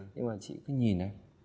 nhưng mà chị ấy cứ nhìn ấy